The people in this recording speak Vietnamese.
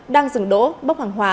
đang dừng đỗ bốc hàng hóa